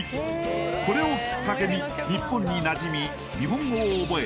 これをきっかけに日本になじみ日本語を覚え